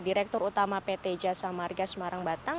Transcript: direktur utama pt jasa marga semarang batang